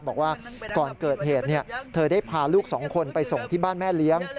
บอกว่าก่อนเกิดเหตุเธอได้พาลูกสองคนไปส่งที่บ้านแม่เลี้ยง